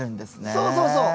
そうそうそう。